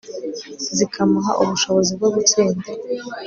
zikamuha ubushobozi bwo gutsinda